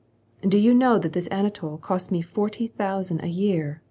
"Did you know that this Anatol costs me forty thousand a year